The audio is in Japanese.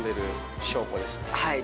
はい。